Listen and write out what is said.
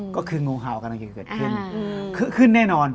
คืองงเห่ากำลังเกิดขึ้น